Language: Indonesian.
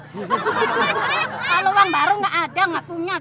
kalau uang baru nggak ada nggak punya